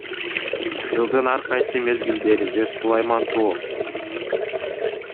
Жылдын ар кайсы мезгилдеринде Сулайман Тоо